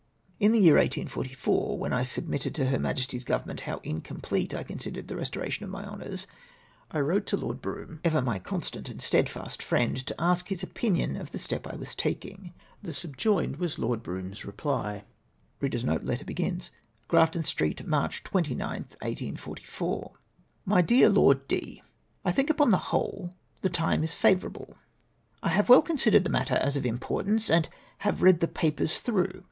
Li the 3'ear 1844, when I submitted to Her Majesty's Government how incomplete I considered the restora tion of my honours, I wrote to Lord Brougham, ever my constant and steadfast friend, to ask his (Opinio n of the ste}) I was taking. The subjoined was Lord Brougham's reply :—" Grafton Street, March 29tli, 1844. "My dear Lord D. — I tliink, upon the whole, the time is favourable. " I have well considered the matter as of importance, and have read the papers through.